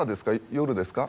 夜ですか？